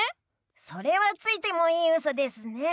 それはついてもいいウソですね！